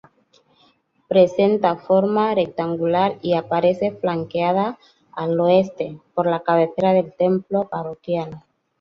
Presenta forma rectangular y aparece flanqueada, al oeste, por la cabecera del templo parroquial.